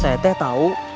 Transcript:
saya teh tau